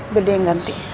beli yang ganti